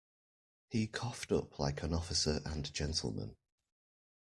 He coughed up like an officer and a gentleman.